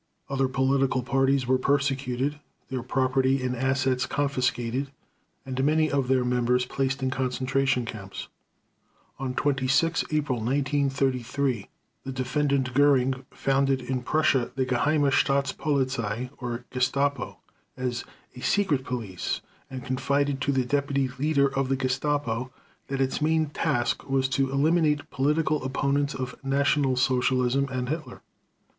Other political parties were persecuted, their property and assets confiscated, and many of their members placed in concentration camps. On 26 April 1933 the Defendant Göring founded in Prussia the Geheime Staatspolizei, or Gestapo, as a secret police, and confided to the deputy leader of the Gestapo that its main task was to eliminate political opponents of National Socialism and Hitler.